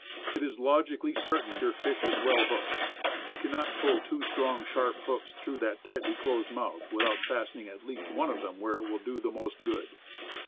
It is logically certain your fish is well hooked. You cannot pull two strong, sharp hooks through that tightly closed mouth without fastening at least one of them where it will do most good.